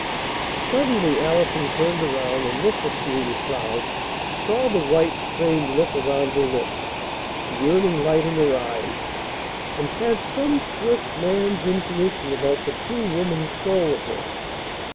Suddenly Allison turned around, and looked at Julia Cloud, saw the white, strained look around her lips, the yearning light in her eyes, and had some swift man's intuition about the true woman's soul of her.